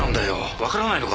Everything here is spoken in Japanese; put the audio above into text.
わからないのか？